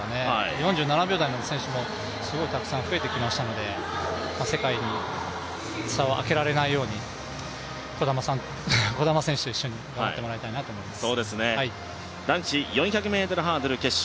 ４７秒台の選手もすごいたくさん増えてきましたので、世界に差を開けられないように児玉選手と一緒に頑張ってもらいたいなと思います。